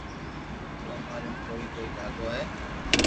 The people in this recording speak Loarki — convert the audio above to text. تو اماري ڪوئي ڪوئي لاگو ھي